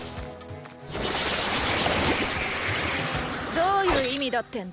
どういう意味だってんだ？